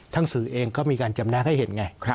ท่างสื่อเองก็มีการจำนาคให้เห็นไง